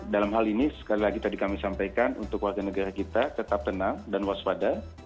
dalam hal ini sekali lagi tadi kami sampaikan untuk warga negara kita tetap tenang dan waspada